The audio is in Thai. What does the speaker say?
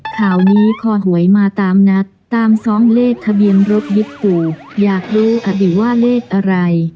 ข่าวนี้คอหวยมาตามนัดตามซ้อมเลขทะเบียนยากรู้อ่ะหรือว่าเลขอร้าย